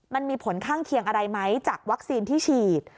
มันมีผลข้างเคียงอะไรไหมจากวัคซีนที่ฉีด